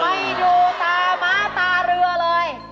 ไม่ดูตาม้าตาเรือเลย